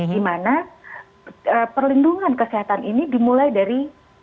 di mana perlindungan kesehatan ini dimulai dari